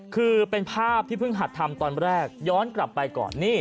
คือเป็นภาพที่เพิ่งหัดทำตอนแรกย้อนกลับไปก่อน